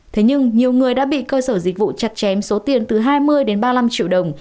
thế nhưng nhiều người đã bị cơ sở dịch vụ chặt chém số tiền từ hai mươi đến ba mươi năm triệu đồng